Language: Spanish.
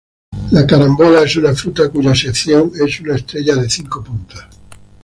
La carambola es una fruta cuya sección es una estrella de cinco puntas.